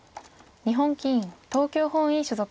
日本棋院東京本院所属。